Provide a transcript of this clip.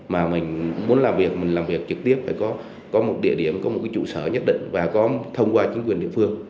mà mình muốn làm việc mình làm việc trực tiếp phải có một địa điểm có một trụ sở nhất định và có thông qua chính quyền địa phương